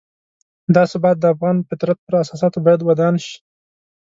دا ثبات د افغان فطرت پر اساساتو باید ودان شي.